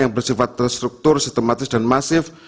yang bersifat terstruktur sistematis dan masif